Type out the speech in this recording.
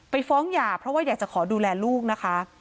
ฟ้องหย่าเพราะว่าอยากจะขอดูแลลูกนะคะ